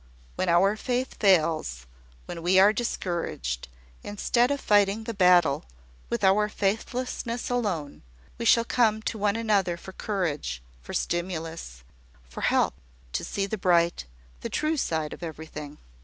When our faith fails, when we are discouraged, instead of fighting the battle with our faithlessness alone, we shall come to one another for courage, for stimulus, for help to see the bright, the true side of everything."